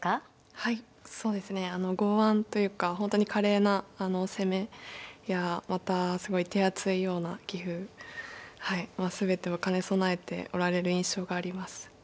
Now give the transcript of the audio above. はいそうですね剛腕というか本当に華麗な攻めやまたすごい手厚いような棋風はい全てを兼ね備えておられる印象があります。